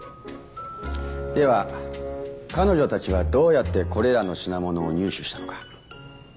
では彼女たちはどうやってこれらの品物を入手したのか。